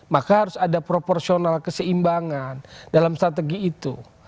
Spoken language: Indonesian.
maka harus ada proporsional keseimbangan dalam strategi itu